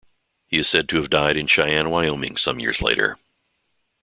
He is said to have died in Cheyenne, Wyoming some years later.